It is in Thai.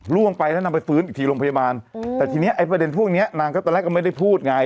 ล่วงไปแล้วนางไปฟื้นอีกทีโรงพยาบาลแต่ทีนี้ไอ้ประเด็นพวกนี้นางก็ตอนแรกก็ไม่ได้พูดไง